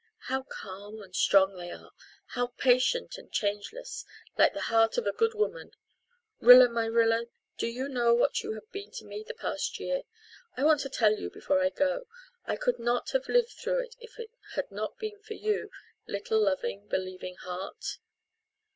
How calm and strong they are how patient and changeless like the heart of a good woman. Rilla my Rilla, do you know what you have been to me the past year? I want to tell you before I go. I could not have lived through it if it had not been for you, little loving, believing heart."